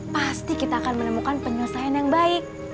pasti kita akan menemukan penyelesaian yang baik